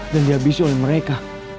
dan dihabisi oleh mereka